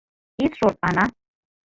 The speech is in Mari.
— Ит шорт, Ана...